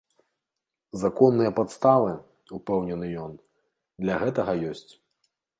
Законныя падставы, упэўнены ён, для гэтага ёсць.